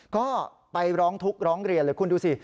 ก็ไปร้องทุกข์ร้องเรียนเลยคุณดูสิ